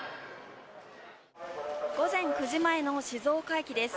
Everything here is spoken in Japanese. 午前９時前の静岡駅です。